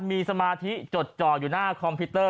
มีสมาธิจดจ่ออยู่หน้าคอมพิวเตอร์